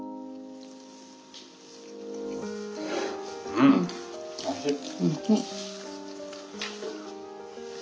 うんおいしい。